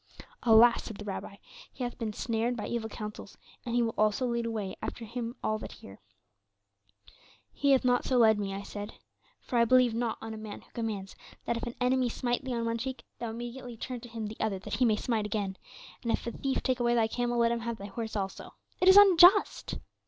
"'Alas,' said the Rabbi, 'he hath been snared by evil counsels, and he will also lead away after him all that hear.' "'He hath not so led me,' I said, 'for I believe not on a man who commands that if an enemy smite thee on one cheek, thou immediately turn to him the other that he may smite again; and if a thief take away thy camel let him have thy horse also; it is unjust!